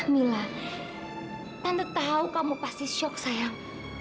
mila anda tahu kamu pasti shock sayang